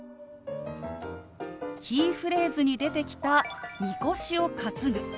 キーフレーズに出てきた「みこしを担ぐ」。